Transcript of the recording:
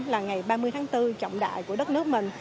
là ngày ba mươi tháng bốn trọng đại của đất nước mình